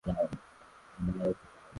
Ninayo kalamu.